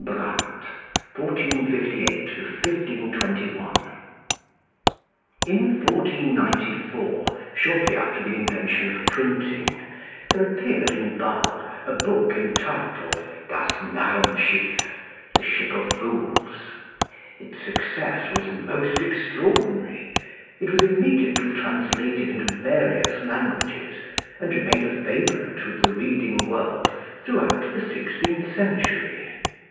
Translation of W.M. Payne. SEBASTIAN BRANDT (1458 1521) In 1494, shortly after the invention of printing, there appeared in Basle a book entitled 'Das Narrenschiff' (The Ship of Fools). Its success was most extraordinary; it was immediately translated into various languages, and remained a favorite with the reading world throughout the sixteenth century.